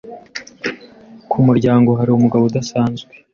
Ku muryango hari umugabo udasanzwe.